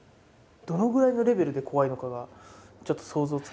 どのくらいのレベルで怖いのかがちょっと想像つかないんですけど。